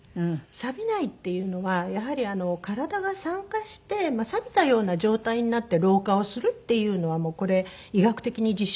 「サビない」っていうのはやはり体が酸化してサビたような状態になって老化をするっていうのはもうこれ医学的に実証されてるんですけども。